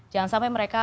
jangan sampai mereka